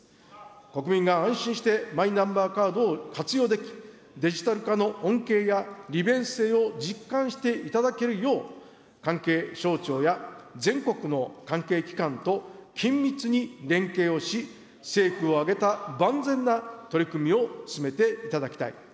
国民が安心してマイナンバーカードを活用でき、デジタル化の恩恵や利便性を実感していただけるよう、関係省庁や全国の関係機関と緊密に連携をし、政府を挙げた万全な取り組みを進めていただきたい。